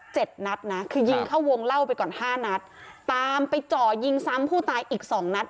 นัดนะคือยิงเข้าวงเล่าไปก่อนห้านัดตามไปจ่อยิงซ้ำผู้ตายอีกสองนัด